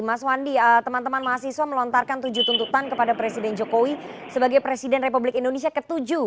mas wandi teman teman mahasiswa melontarkan tujuh tuntutan kepada presiden jokowi sebagai presiden republik indonesia ke tujuh